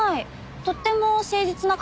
とっても誠実な方ですよ。